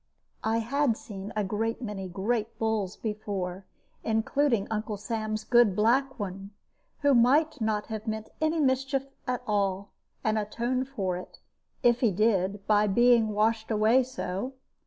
I had seen a great many great bulls before, including Uncle Sam's good black one, who might not have meant any mischief at all, and atoned for it if he did by being washed away so.